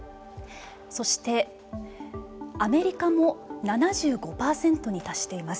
そして、アメリカも７５％に達しています。